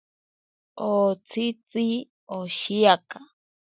Otsitzi oshiaka.